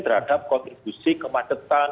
terhadap kontribusi kemadetan